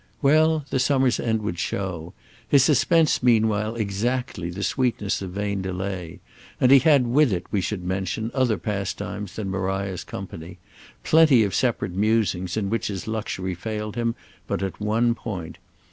Well, the summer's end would show; his suspense had meanwhile exactly the sweetness of vain delay; and he had with it, we should mention, other pastimes than Maria's company—plenty of separate musings in which his luxury failed him but at one point.